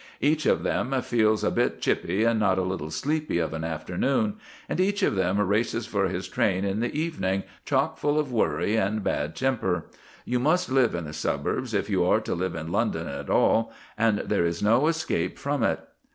Each of them feels a bit chippy and not a little sleepy of an afternoon, and each of them races for his train in the evening, chock full of worry and bad temper. You must live in the suburbs if you are to live in London at all, and there is no escape from it.